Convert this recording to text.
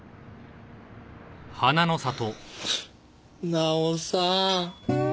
奈緒さん。